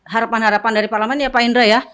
harapan harapan dari parlemen ya pak indra ya